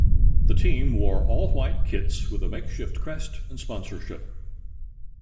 The team wore all-white kits with a makeshift crest and sponsorship.